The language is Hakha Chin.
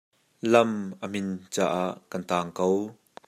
Lam a min caah kan tang ko.